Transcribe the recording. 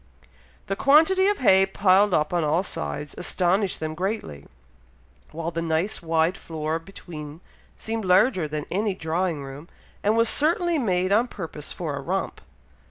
The quantity of hay piled up on all sides, astonished them greatly, while the nice, wide floor between, seemed larger than any drawing room, and was certainly made on purpose for a romp.